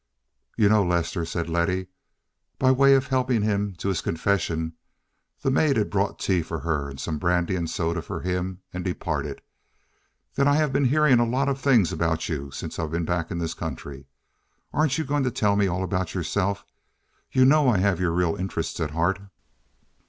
"You know, Lester," said Letty, by way of helping him to his confession—the maid had brought tea for her and some brandy and soda for him, and departed—"that I have been hearing a lot of things about you since I've been back in this country. Aren't you going to tell me all about yourself? You know I have your real interests at heart."